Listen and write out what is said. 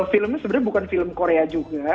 filmnya sebenarnya bukan film korea juga